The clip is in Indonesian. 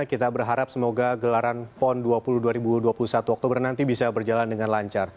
kita berharap semoga gelaran pon dua ribu dua puluh satu oktober nanti bisa berjalan dengan lancar